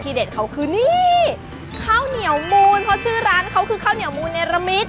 เด็ดเขาคือนี่ข้าวเหนียวมูลเพราะชื่อร้านเขาคือข้าวเหนียวมูลเนรมิต